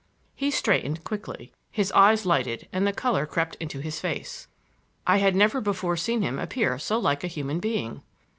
He straightened quickly,—his eyes lighted and the color crept into his face. I had never before seen him appear so like a human being.